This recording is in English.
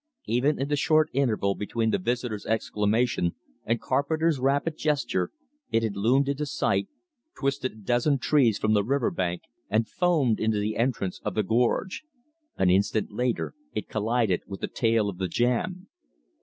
Even in the short interval between the visitor's exclamation and Carpenter's rapid gesture, it had loomed into sight, twisted a dozen trees from the river bank, and foamed into the entrance of the gorge. An instant later it collided with the tail of the jam.